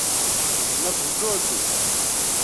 مہ بھوچو تھو